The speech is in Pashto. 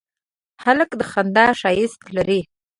هلک د خندا ښایست لري.